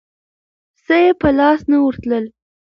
څه یې په لاس نه ورتلل.